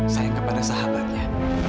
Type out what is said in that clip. sayang kepada sahabatnya